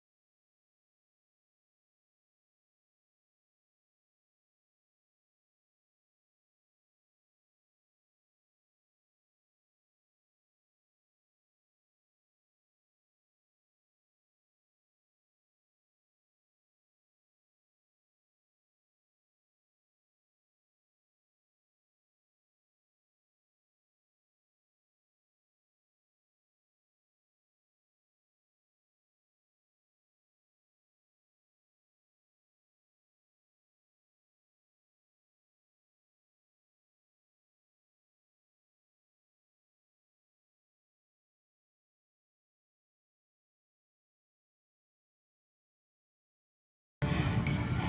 mendingan sekarang kita ke rumah pak kades aja